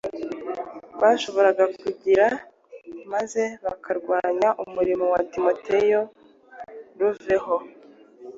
bashoboraga kugira maze bakarwanya umurimo wa Timoteyo ruveho.